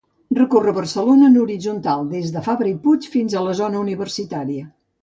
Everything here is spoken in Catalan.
Recorre Barcelona en horitzontal des de Fabra i Puig fins a la zona universitària.